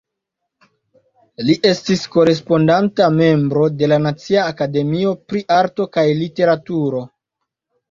Li estis korespondanta membro de la Nacia Akademio pri Arto kaj Literaturo.